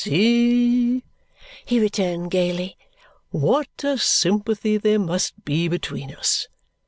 "See," he returned gaily, "what a sympathy there must be between us!